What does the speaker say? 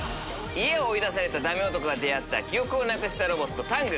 家を追い出されたダメ男が出合った記憶をなくしたロボットタング。